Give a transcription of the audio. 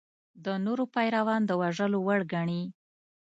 د نورو پیروان د وژلو وړ ګڼي.